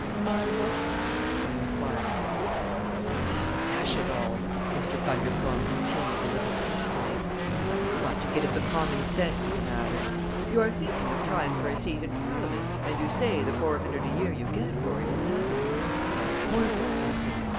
"My what?" I inquired. "Dash it all!" Mr. Bundercombe continued a little testily. "I only want to get at the common sense of the matter. You are thinking of trying for a seat in Parliament, and you say the four hundred a year you get for it is nothing. Well, of course, it's nothing.